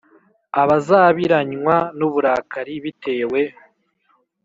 A bazabiranywa n uburakari bitewe